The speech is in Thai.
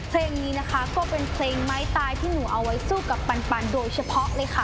เพลงนี้นะคะก็เป็นเพลงไม้ตายที่หนูเอาไว้สู้กับปันโดยเฉพาะเลยค่ะ